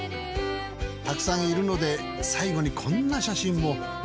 たくさんいるので最後にこんな写真も。